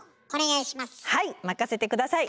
はい任せて下さい。